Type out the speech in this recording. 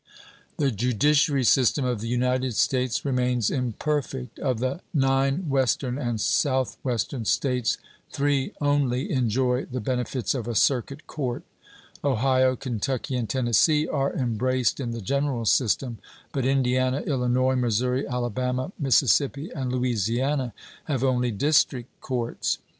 The judiciary system of the United States remains imperfect. Of the 9 Western and South Western States, three only enjoy the benefits of a circuit court. Ohio, Kentucky, and Tennessee are embraced in the general system, but Indiana, Illinois, Missouri, Alabama, Mississippi, and Louisiana have only district courts.